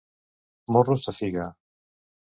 Morros de figa.